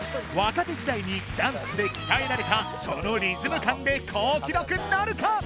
若手時代にダンスで鍛えられたそのリズム感で好記録なるか！？